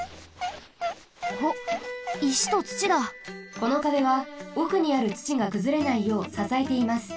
このかべはおくにあるつちがくずれないようささえています。